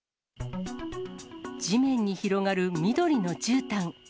地面に広がる緑のじゅうたん。